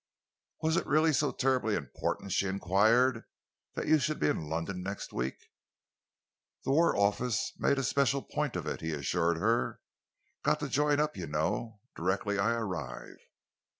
"Was it really so terribly important," she enquired, "that you should be in London next week?" "The War Office made a special point of it," he assured her. "Got to join up, you know, directly I arrive."